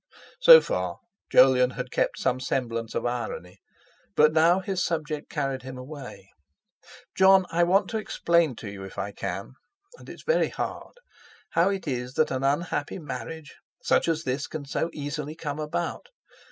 So far Jolyon had kept some semblance of irony, but now his subject carried him away. "Jon, I want to explain to you if I can—and it's very hard—how it is that an unhappy marriage such as this can so easily come about.